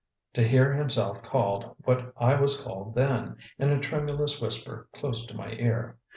to hear himself called what I was called then, in a tremulous whisper close to my ear.